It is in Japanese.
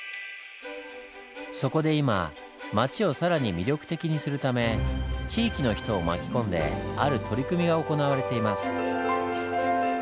そこで今街を更に魅力的にするため地域の人を巻き込んである取り組みが行われています。